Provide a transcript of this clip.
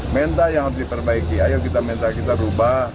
menta yang harus diperbaiki ayo kita menta kita berubah